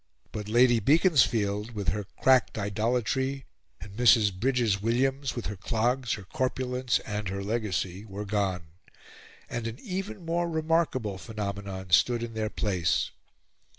But Lady Beaconsfield, with her cracked idolatry, and Mrs. Brydges Williams, with her clogs, her corpulence, and her legacy, were gone: an even more remarkable phenomenon stood in their place.